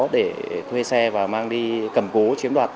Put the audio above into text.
để thuê xe và mang đi cầm cố chiếm đoạt